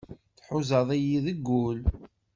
Tḥuzaḍ-iyi deg wul.